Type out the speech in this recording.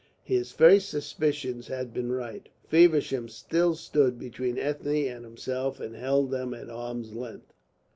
His first suspicions had been right. Feversham still stood between Ethne and himself and held them at arm's length.